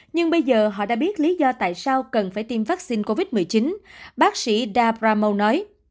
nhưng bây giờ họ đã biết lý do tại sao cần phải tiêm vaccine covid một mươi chín bác sĩ dabramo nói